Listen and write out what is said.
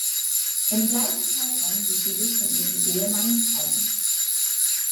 Im gleichen Zeitraum ließ sie sich von ihrem Ehemann scheiden.